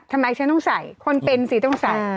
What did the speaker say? ทำไมฉันต้องใส่คนเป็นสิต้องใส่